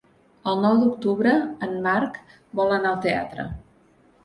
El nou d'octubre en Marc vol anar al teatre.